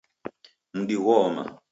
Mdi gho-oma